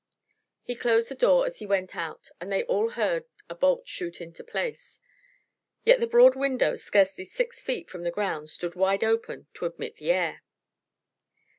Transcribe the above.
He closed the door as he went out and they all heard a bolt shoot into place. Yet the broad window, scarcely six feet from the ground, stood wide open to admit the air.